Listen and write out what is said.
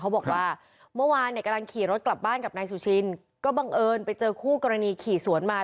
เมื่อวานเนี่ยกำลังขี่รถกลับบ้านกับนายสุชินก็บังเอิญไปเจอคู่กรณีขี่สวนมา